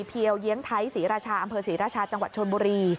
เพียวเยียงไทยศรีราชาอำเภอศรีราชาจังหวัดชนบุรี